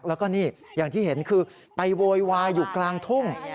แล้วก็นี่อย่างที่เห็นคือไปโวยวายอยู่กลางทุ่ง